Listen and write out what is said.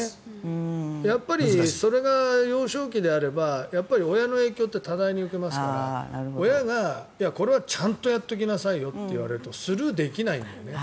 やっぱりそれが幼少期であれば親の影響って多大に受けますから親がこれはちゃんとやっておきなさいよって言われるとスルーできないんだよね。